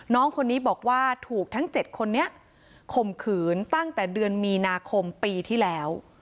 น้องคนนี้บอกว่าถูกทั้ง๗คนนี้ข่มขืนตั้งแต่เดือนมีนาคมปีที่แล้ว